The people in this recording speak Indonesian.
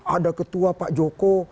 ada ketua pak joko